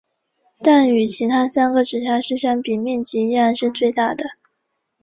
但与其他三个直辖市相比面积依然是最大的。